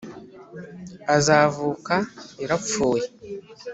azavuka yarapfuye.